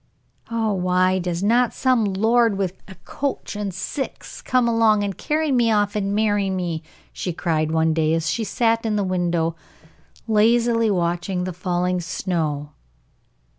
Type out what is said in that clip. "Oh, why does not some lord with a coach and six come along and carry me off and marry me?" she cried one day as she sat in the window, lazily watching the falling snow.